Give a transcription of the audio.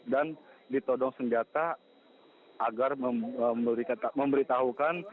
dan ditodong senjata agar memberitahukan keberadaan